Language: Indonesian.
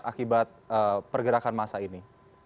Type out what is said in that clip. akibat pergerakan masa ini